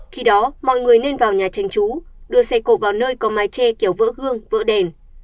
khi đó mọi người nên vào nhà tranh chú đưa xe cổ vào nơi có mái che kiểu vỡ gương vỡ đèn